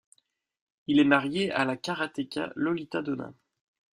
Il est marié à la karatéka Lolita Dona.